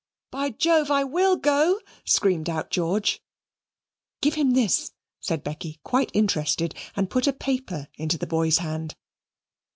"By Jove, I will go!" screamed out George. "Give him this," said Becky, quite interested, and put a paper into the boy's hand.